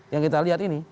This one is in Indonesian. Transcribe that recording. yang kita lihat ini